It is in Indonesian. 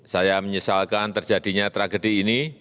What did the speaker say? saya menyesalkan terjadinya tragedi ini